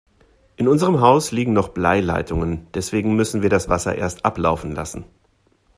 In unserem Haus liegen noch Bleileitungen, deswegen müssen wir das Wasser erst ablaufen lassen.